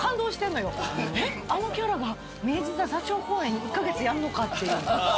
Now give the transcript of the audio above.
えっあのキャラが明治座座長公演１カ月やんのかっていう。